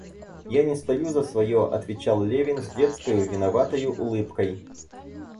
Я не стою за свое, — отвечал Левин с детскою, виноватою улыбкой.